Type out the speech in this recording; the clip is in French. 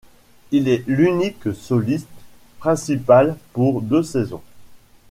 Il est l’unique soliste principal pour deux saisons.